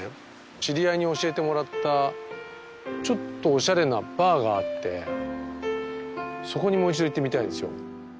知り合いに教えてもらったちょっとおしゃれなバーがあってもう一度行ってみたいんですよ。